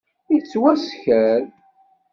Yettwasker.